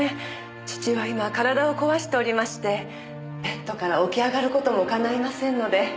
義父は今体を壊しておりましてベッドから起き上がる事もかないませんので。